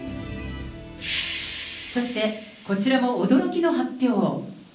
そして、こちらも驚きの発表。